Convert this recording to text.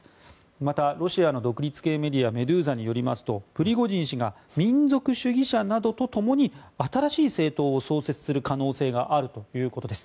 また、ロシアの独立系メディアメドゥーザによりますとプリゴジン氏が民族主義者などとともに新しい政党を創設する可能性があるということです。